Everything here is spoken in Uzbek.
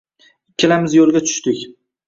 Ikkalamiz yo‘lga tushdik.